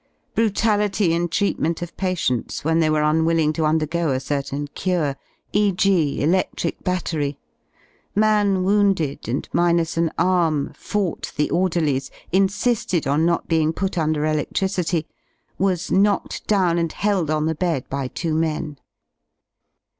Brutality in treatment of ^~^ patients when they were unwilling to undergo a certain / cure, e.g.y eledric battery: man wounded and minus an arm fought the orderlies, insi^ed on not being put under eleflricity; was knocked down and held on the bed by two men.